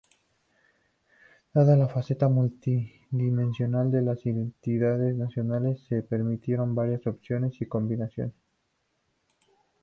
Dada la faceta multidimensional de las identidades nacionales, se permitieron varias opciones y combinaciones.